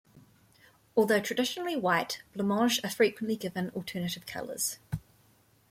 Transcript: Although traditionally white, blancmanges are frequently given alternative colours.